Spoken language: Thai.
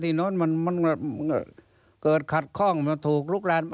โน้นมันเกิดขัดข้องมันถูกลุกลาน